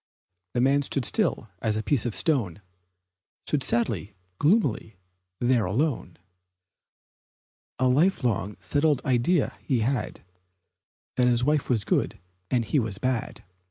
The man stood still as a piece of stone Stood sadly, gloomily there alone, A life long, settled idea he had That his wife was good and he was bad.